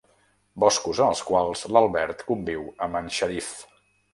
Boscos en els quals l'Albert conviu amb en Shariff.